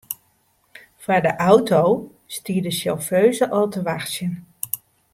Foar de auto stie de sjauffeuze al te wachtsjen.